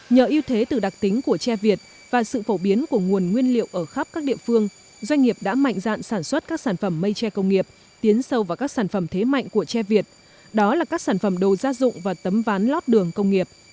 nhờ yêu thế từ đặc tính của tre việt và sự phổ biến của nguồn nguyên liệu ở khắp các địa phương doanh nghiệp đã mạnh dạn sản xuất các sản phẩm mây tre công nghiệp tiến sâu vào các sản phẩm thế mạnh của tre việt đó là các sản phẩm đồ gia dụng và tấm ván lót đường công nghiệp